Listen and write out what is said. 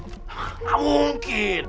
hah nggak mungkin